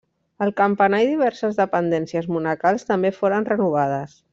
El campanar i diverses dependències monacals també foren renovades.